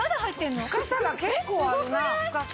深さが結構あるな深さ。